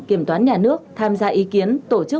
kiểm toán nhà nước tham gia ý kiến tổ chức